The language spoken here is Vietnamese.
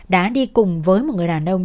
đã đi cùng với một người đàn ông